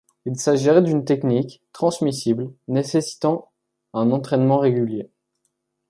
Il s'agirait d'une technique, transmissible, nécessitant un entraînement régulier.